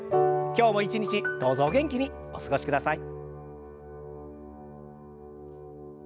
今日も一日どうぞお元気にお過ごしください。